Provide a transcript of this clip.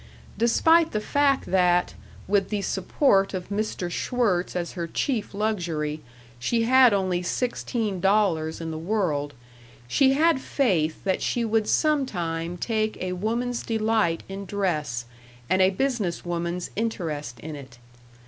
Despite the fact that, with the support of Mr. Schwirtz as her chief luxury, she had only sixteen dollars in the world, she had faith that she would sometime take a woman's delight in dress, and a business woman's interest in it....